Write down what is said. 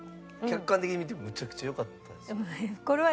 客観的に見てもむちゃくちゃよかったですか？